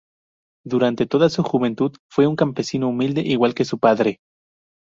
Durante toda su juventud fue un campesino humilde, igual que su padre.